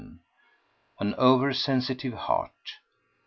— AN OVER SENSITIVE HEART 1.